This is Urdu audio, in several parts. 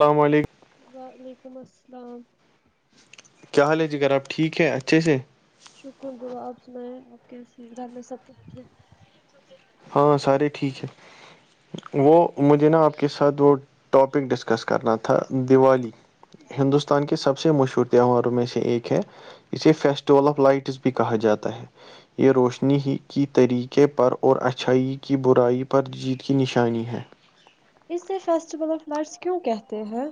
السلام علیکم وعلیکم السلام کیا حال ہے جکگر آپ ٹھیک ہے اچھے سے شکر گ آپ میں کیسے گھر میں سب [inaudible] ہاں سارے ٹھیک ہے وہ مجھے نا آپ کے ساتھ وہ ٹاپک ڈسک س کرنا تھا دیوالی ہندوستان کے سب سے مشہور تہواروں میں سے ایک ہے اسے فیسٹیول آف لائٹس بھی کہا جاتا ہے یہ روشنی ہی کی طریقے پر اور اچھائی کی برائی پر جیت کی نشانی ہے اسے فیسٹیول آف فٹ کیوں کہتے ہیں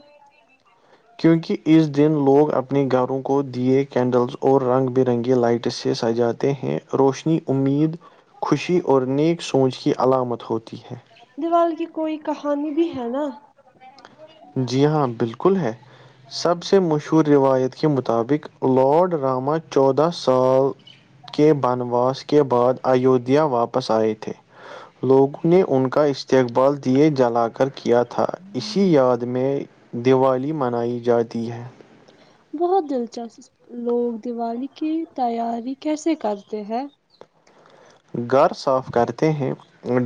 کیونکہ اس دن لوگ اپنے گھروں کو دیے کینڈلز اور رنگ برنگی لائٹس سے سجاتے ہیں روشنی امید خوشی اور نیک سوچ کی علامت ہوتی ہے دیوال کی کوئی کہانی بھی ہے نا- جی, ہاں بالکل ہے- سب سے مشہور روایت کے مطابق لاڈ راما چودہ سال- کے بنواس کے بعد ایودھیا واپس آئے تھے- لوگوں نے ان کا استقبال دیے جلا کر کیا تھا اسی یاد میں دیوالی منائی جاتی ہے- بہت دلچسپ لوگ دیوالی کی تیاری کیسے کرتے ہیں گھر صاف کرتے ہیں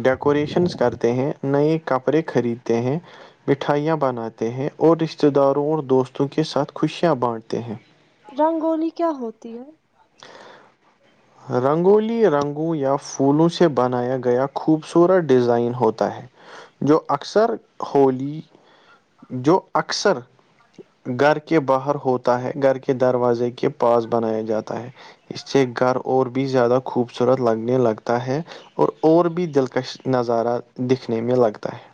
ڈیکوریشنس کرتے ہیں نئے کپڑے خریدتے ہیں مٹھائیاں بناتے ہیں اور رشتتے داروں اور دوستوں کے ساتھ خوشیاں بانٹتے ہیں رنگولی کیا ہوتی ہے ہ [inaudible] رنگولی رنگوں یا پھولوں سے بنایا گیا خوبصورت ڈیزائن ہوتا ہے جو اکثر ہولی جو اکثر- گھر کے باہر ہوتا ہے گھر کے دروازے کے پاس بنایا جاتا ہے- اس سے گھر اور بھی زیادہ خوبصورت لگنے لگتا ہے اور- اور بھی دلکش نظارہ دکھنے میں لگتا ہے-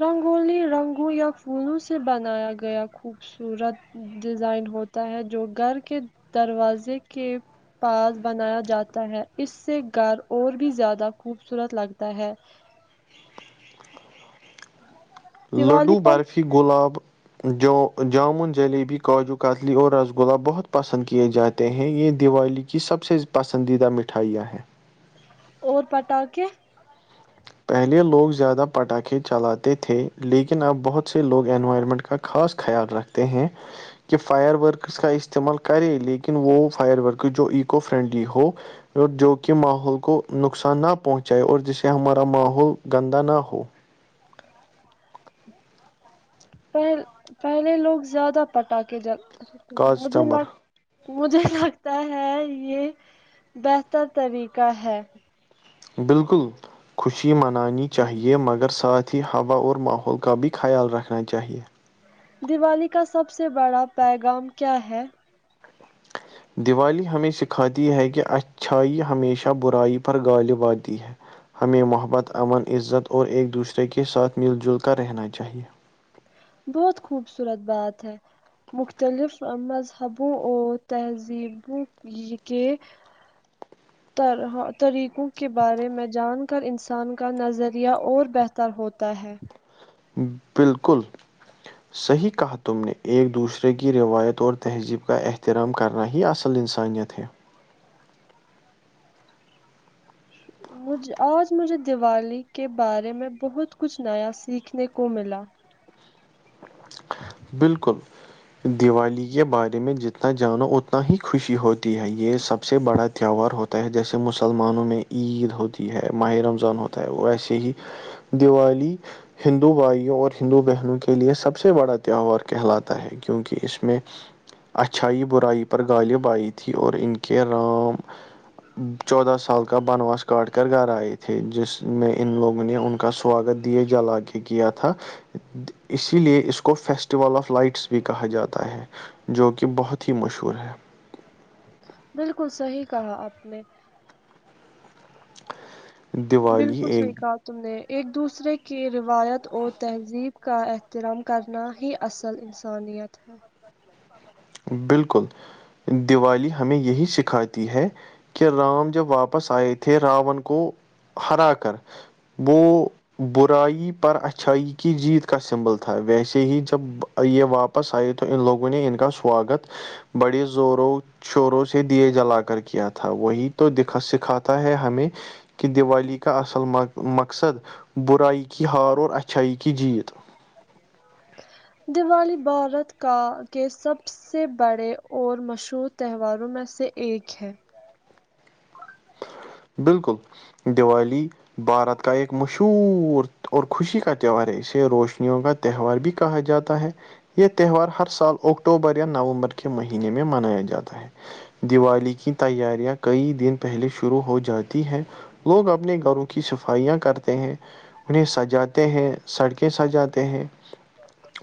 رنگولی رنگوں یا پھولوں سے بنایا گیا خوبصورت- ڈیزائن ہوتا ہے جو گھر کے دروازے کے- پس بنایا جاتا ہے اس سے گھر اور بھی زیادہ خوبصورت لگتا ہے- دیوالی لڈو پر برفی گلااب- جو جامن جلیبی کاجو کتلی اور رس گلا بہت پسند کیے جاتے ہیں یہ دیوالی- کی سب سے پسندیدہ مٹھائیاں ہیں- اور پٹا کےے- پہلے لوگ زیادہ پٹاخے چلاتے تھے لیکن اب بہت سے لوگ انوائرمنٹ کا خاص خیال رکھتے ہیں- کہ فائر ورکرس کا استعمال کرے لیکن وہ فائر ورکر جو ایککو فرینڈلی ہو- جو کہ ماحول کو نقصان نہ پہنچائے اور جسے ہمارا- کا ماحول گندا نہ ہو- پ پہلے لوگ زیادہ پٹاخے جل تھے مجھے- کاسٹمر مجھے لگتا ہے یہ بہتر طریقہ ہے- بالکل خوشی منانی چاہیے مگر ساتھ- اھی ہوا اور ماحول کا بھی خیال رکھنا چاہیے- دیوالی کا سب سے بڑا پیغام کیا ہے? دیوالی ہمیں سکھاتی ہے, کہ اچھائی ہمیشہ برائی پر گغالباتی ہے- ہمیں محبت امن عزت اور ایک دوسرے کے ساتھ مل جل کر رہنا چاہیے- بہت خوبصورت بات ہے- مختلف مذہبوں اور تہذیبوں- یہ کہ [inaudible] طریقوں کے بارے میں جان کر انسان کا نظریہ اور بہتر ہوتا ہے- بلکل صحیح کہا تم نے ایک دوسرے کی روایت اور تہذیب کا احترام کرنا ہی اسل- اصل انسانیت ہے- مج آج مجھے دیوالی کے بارے میں بہت کچھ نیا سیکھنے کو ملا- بالکل دیوالی کے بارے میں جتنا جانو اتنا ہی خوشی ہوتی ہے یہ سب سے بڑا تہوار ہوتا- ہوتا ہے جیسے مسلمانوں میں عید ہوتی ہے، ماہ رمضان ہوتا ہے وہ ایسے ہی- دیوالی ہندو بھائیوں اور ہندو بہنوں کے لیے سب- سب سے بڑا تہوار کہلاتا ہے، کیونکہ اس میں- اچھائی- برائی پر غالب آئی تھی اور ان کے رام- چودہ سال کا بنواس- کاٹ کر گھر آئے تھے جس میں ان لوگوں نے ان کا سواگت دیے جلا کے کیا تھا- [inaudible] کے لیے اس کو فیسٹیول آف لائٹس بھی کہا جاتا ہے جو کہ بہت ہی مشہور ہے- بالکل صحی کہا آپ نے دیوالی بالکل سحی ایک کا تم نے ایک دوسرے کی روایت اور تہذیب کا احترام کرنا ہی اصل ان سانیت ہے بالکل دیوالی ہمیں یہی سکھاتی ہے کہ رام جب واپس آئے تھے راون کو ہرا کر وہ برائی پر اچھائی کی جیت کا سمبل تھا ویسے ہی جب یہ واپ س آئی تو ان لوگوں نے ان کا سواگت بڑی زوروں شوروں سے دیے جلا کر کیا تھا وہی توا سکھاتا ہے ہمیں کہ دیوالی کا اصل مقصد برائی کی ہار اور اچھائی کی جیت [inaudible] دیوالی بھارت کا کے سب سے بڑے اور مشہور تہواروں میں سے ایک ہے بالکل دیوالی بھارت کا ایک مشہور اور خوشی کا تہوار ہے اسے روشنیوں کا تہوار بھی کہا جاتا ہے یہ تہوار ہر سال اکٹوبر یا نومبر کے مہینے میں منایا جاتا ہے دیوالی کی تیاریاں کئی دن پہلے شروع ہو جاتی ہے لوگ اپنے گھروں کی صفائیاں کرتے ہیں انہیں سجاتے ہیں سڑکیں سجاتے ہیں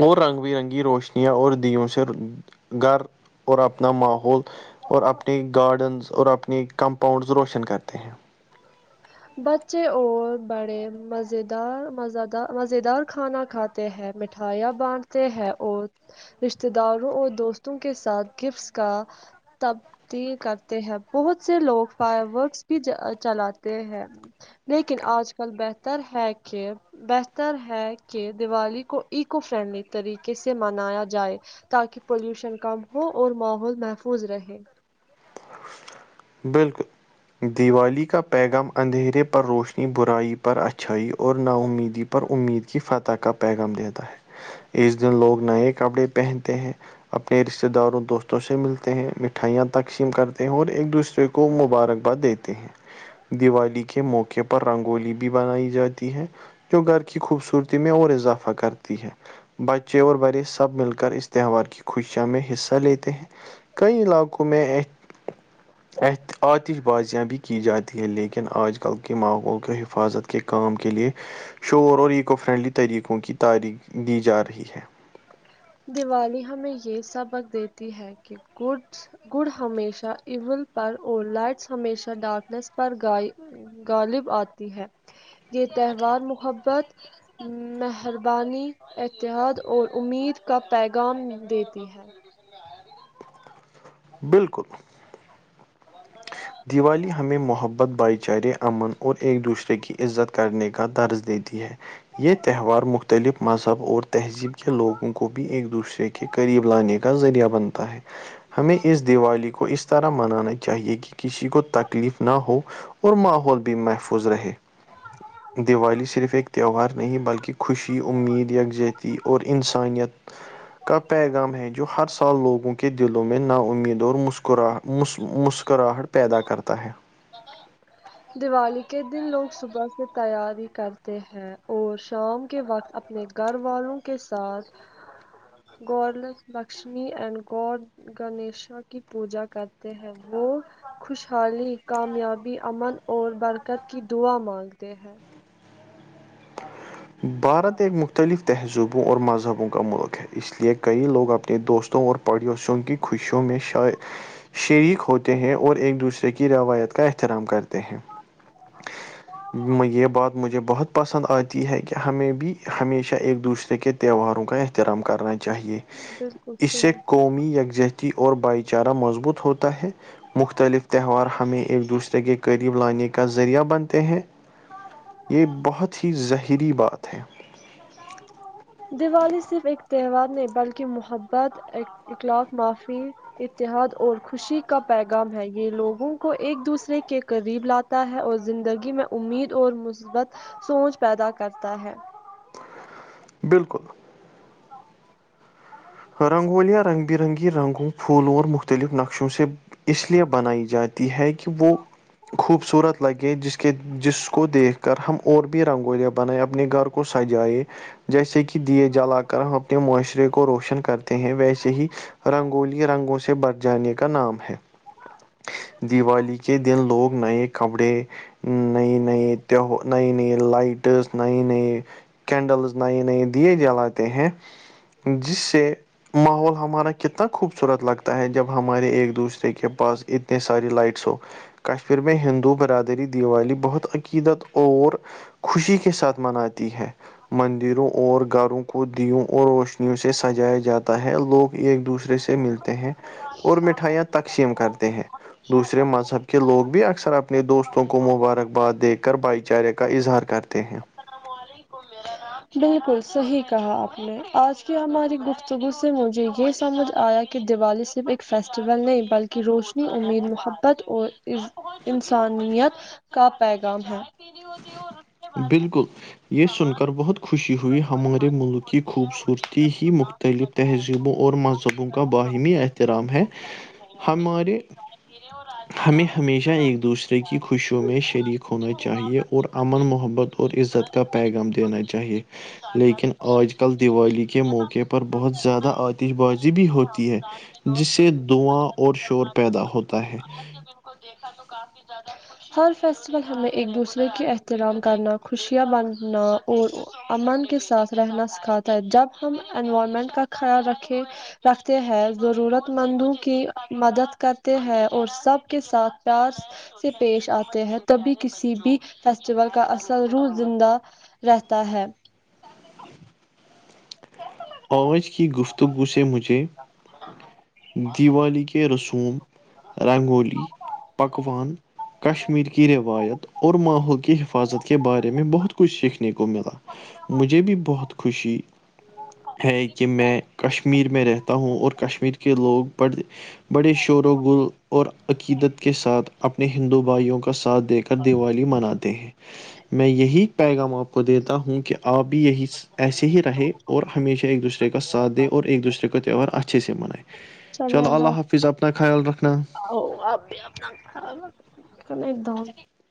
اور رنگ برنگی روشنیاں اور دیوں سے گھر اور اپنا ماحول اور اپنی گارڈنز اور اپنی کمپاؤنڈز روش وشن کرتے ہیں بچے اور بڑے مز دار مز دار مز دار کھانا کھاتے ہے مٹھائیاں بانھتے ہیں اور رشتے داروں اور دوستوں کے ساتھ گفٹس کا تبدیل کرتے ہیں بہت سے لوگ فائر ورکس بھی چلاتے ہیں لیکن آج کل بہتر ہے کہ بہتر ہے کہ دیوالی کو ایکو فرینڈلی طریقے سے منایا جائے تاکہ پولوشن کم ہو اور ماحول محفوظ رہے بالکل دیوالی کا پیغام اندھیرے پر روشنی برائی پر اچھائی اور نامیدی امید کی فتح کا پیغم دیتا ہے اس دن لوگ نئے کپڑے پہنتے ہیں اپنے رشتے داروں دوستوں سے ملتے ہیں مٹھائیاں تقسیم کرتے ہیں اور ایک دوسرے کو مبارکباد دیتے ہیں دیوالی کے موقع پر پر رنگولی بھی بنائی جاتی ہے جو گھر کی خوبصورتییں اور اضافہ کر بچے اور بڑے سب مل کر اس تہوار کی خوشیا میں حصہ لیتے ہیں کٮئی علاقو میں اۃ آتش بازیاں بھی کی جاتی ہے لیکن آج کل کے ماحول کے حفاظت کے کام کے لیے شور اور ایکو فرینڈلی طریقوں کی تعاریخ دی جا رہی ہے دیوالی ہمیں یہ سبق دیتی ہے کہ گڈ گڑ ہمیشہ اول پر اور لائٹس ہمیشہ ڈارکنیس پر گائے غالب آتی ہے یہ تہوار محبت مہربانی اتحاد اور امید کا پیغام دیتی ہے بالکل [unintelligible] دیوالی ہمیں محبت بھائی چارے امن اور ایک دوسرے کی عزت کرنے کا درز دیتی ہے یہ تہوار مختلف مذہب اور تہذیب کے لوگوں کو بھی ایک دوسرے کے قریب لانے کا ذریعہ بنتا ہے ہمیں اس دیوالی کو اس طرح منانا چاہیے کہ کسی کو تکلیف نہ ہو اور ماحول بھی محفوظ رہے دیوالی صرف ایک تہوار نہیں بلکہ خوشی امید یکجتی اور انسانیت کا پیغام ہے جو ہر سال لوگوں کے دلوں میں نا امید اور مسکراہ مس مسکراہٹ پیدا کرتا ہے دیوالی کے دن لوگ صبح سے تیاری کرتے ہیں اور شام کے وقت اپنے گھر والوں کے ساتھ [inaudible] گورلس لکشمی اینڈ گور گنیشا کی پوجا کرتے ہیں وہ خوشحالی کامیابی امن اور برکت کی دعا مانگتے ہیں [unintelligible] بھارت ایک مختلف تہذیبوں اور مذہبوں کا ملک ہے اس لیے کئی لوگ اپنے دوستوں اور پڑوسیوں کی خوشیوں میں شا شریک ہوتے ہیں اور ایک دوسرے کی روایت کا احترام کرتے ہیں ما یہ بات مجھے بہت پسند آتی ہے کہ ہمیں بھی ہمیشہ ایک دوسرے کے تیوہارو کا احترام کرنا چاہیے بالکل اس سے صحیح قومی یکجہتی کی اور بھائی چارہ مضبوط ہوتا ہے مختلف تہوار ہمیں ایک دوسرے کے قریب لانے کے بنتے ہیں یہ بہت ہی زہری بات ہے دیوالی صرف ایک تہوار نہیں بلکہ محبت اخلاق معافی اتحاد اور خوشی کا پیغام ہے یہ لوگوں کو ایک دوسرے کے قریب لات تا ہے اور زندگی میں امید اور مثبت سوچ پیدا کرتا ہے بالکل رنگولیاں رنگ برنگی رنگوں پھولوں اور مختلف نقشوں سے اس لیے بنائی جاتی ہے کہ وہ خوبصورت لگے جس کے کہ جس کو دیکھ کر ہم اور بھی رنگولیاں بنائے اپنے گھر کو سجائے جیسے کہ دیے جلا کر ہم اپنے معاشرے کو روشن کر کرتے ہیں ویسے ہی رنگولی رنگوں سے بٹ جانے کا نام ہے دیوالی کے دن لوگ نئے کپڑے نئی نئی تیو نئی نئی لائٹس نئی نئی کینڈلز نئے نئے دیے جلاتے ہیں جس سے ماحول ہمارا کتنا خوبصورت لگتا ہے جب ہمارے ایک دوسرے کے پاس اتنے ساری لائٹس ہو کشمیر میں ہندو برادری دیوالی بہت عقیدت اور خوشی کے ساتھ مناتی ہے مندروں اور گھروں کو دیوں اور روشنیوں سے سجایا جاتا ہے لوگ ایک دوسرے سے ملتے ہیں اور مٹھائیاں تقسیم کرتے ہیں دوسرے مذہب کہ لوگ بھی اکثر اپنے دوستوں کو مبارک باد دے کر بھائی چارے کا اظہار کرتے ہیں سلام علیک بالکل صحیح کہا آپ نے آج کی ہماری گفتگو سے مجھے یہ سمجھ آیا کہ دیوالی صرف ایک فیسٹیول نہیں بلکہ روشنی امید محبت اور انسانیت کا پیغام ہے اور بالکل یہ سن کر بہت خوشی ہوئی ہمارے ملک کی خوبصورتی ہی مختلف تہذیبوں اور مذہبوں کا باہمی احترام ہے ہمارے گریے ہو رہا ہے ہمیں ہمیشہ ایک دوسرے کی خوشیوں میں شریک ہونا چاہیے اور امن مح محبت اور عزت کا پیغام دینا چاہیے لیکن آج کل دیوالی کے موقع پر بہت زیادہ آتی بازی بھی ہوتی ہے جس سے دعاں اور شور پیدا ہوتا ہے کو دیکھا تو کافی زیادہ ہر فیسٹول ہمیں ایک دوسرے کے احترام کرنا خوشیاں بننا اور امن کے ساتھ رہنا سکھاتا ہے جب ہم انوائرمنٹ کا خیال رکھیں رکھتے ہیں ضرورت مندوں کی مدد کرتے ہیں اور سب کے ساتھ پیار سے پیش آتے ہیں تبھی کسی بھی فیسٹیول کا اصل روح زندہ رہتا تتا ہے آج کی گفتگو سے مجھے دیوالی کے رسوم رنگولی پکان کشمیر کی روایت اور ماحول کی حفاظت کے بارے میں بہت کچھ سیکھنے کو ملا مجھے بھی بہت خوشی ہے کہ میں کشمیر میں رہتا ہوں اور کشمیر کے لوگ بڑ بڑے شور و گل اور عقیدت کے ساتھ اپنے ہندو بھائیوں کا ساتھ دے کر دیوالی مناتے ہیں میں یہی پیغام آ کو دیتا ہوں کہ آپ بھی یہی ایسے ہی رہے اور ہمیشہ ایک دوسرے کا سھ دیں اور ایک دوسرے کا تہوار اچھے سے منائے چلو اللہ حافظ اپنا خیال رکھنا ا آ ایک د [unintelligible]